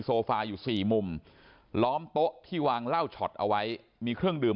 โซฟาอยู่สี่มุมล้อมโต๊ะที่วางเหล้าช็อตเอาไว้มีเครื่องดื่ม